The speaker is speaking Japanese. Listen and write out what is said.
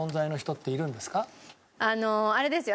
あのあれですよ。